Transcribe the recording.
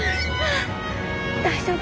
大丈夫。